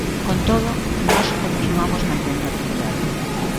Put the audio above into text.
Con todo, nós continuamos mantendo actividade.